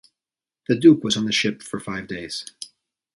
The Duke was on the ship for five days.